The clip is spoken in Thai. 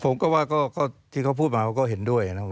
ผมก็ว่าที่เขาพูดมาเขาก็เห็นด้วยนะ